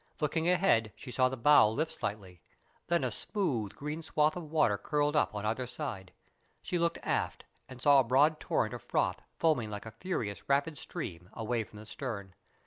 Looking ahead she saw the bow lift slightly. Then a smooth, green swathe of water curled up on either side. She looked aft, and saw a broad torrent of froth, foaming like a furious, rapid stream away from the stern.